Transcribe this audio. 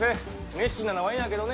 熱心なのはええんやけどね